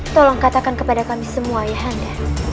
tolong katakan kepada kami semua ayah handa